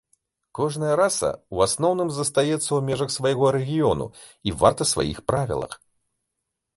Кожная раса ў асноўным застаецца ў межах свайго рэгіёну і варта сваіх правілах.